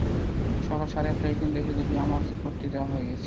সকাল সাড়ে আটটায় কেন্দ্রে এসে দেখি, আমার ভোটটি দেওয়া হয়ে গেছে।